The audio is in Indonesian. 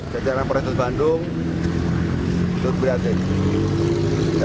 kejaran polisus bandung turk berhasil